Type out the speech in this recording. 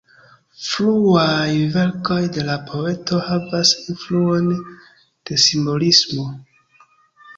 Fruaj verkoj de la poeto havas influon de simbolismo.